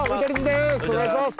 お願いします。